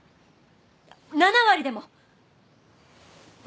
７割でも。